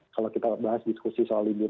kalau kita bahas diskusi soal libur